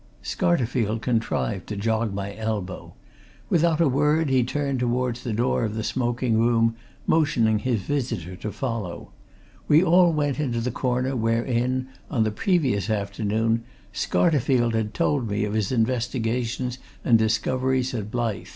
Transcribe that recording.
Scarterfield contrived to jog my elbow. Without a word, he turned towards the door of the smoking room, motioning his visitor to follow. We all went into the corner wherein, on the previous afternoon, Scarterfield had told me of his investigations and discoveries at Blyth.